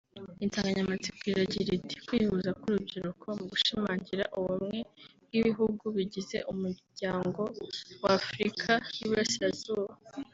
Insanganyamatsiko iragira iti “Kwihuza kw’urubyiruko mu gushimangira ubumwe bw’ibihugu bigize Umuryango wa Afurika y’i Burasirazuba